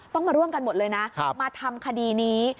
มาร่วมกันหมดเลยนะมาทำคดีนี้